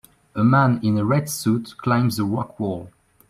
A man in a red suit climbs a rock wall